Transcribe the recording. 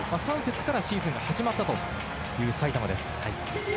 ３節からシーズンが始まったという埼玉です。